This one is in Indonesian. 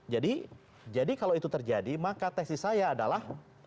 jadi kalau itu terjadi maka tesi saya adalah